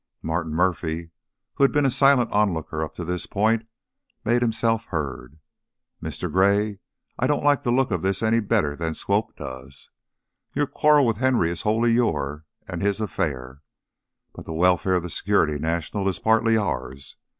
Martin Murphy, who had been a silent onlooker up to this point, made himself heard. "Mr. Gray, I don't like the look of this any better than Swope does. Your quarrel with Henry is wholly your and his affair, but the welfare of the Security National is partly ours.